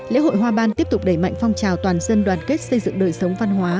lễ hội hoa ban tiếp tục đẩy mạnh phong trào toàn dân đoàn kết xây dựng đời sống văn hóa